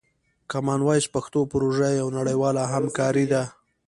کامن وایس پښتو پروژه یوه نړیواله همکاري ده.